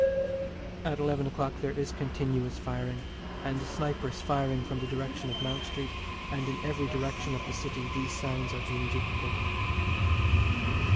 At eleven o'clock there is continuous firing, and snipers firing from the direction of Mount Street, and in every direction of the City these sounds are being duplicated.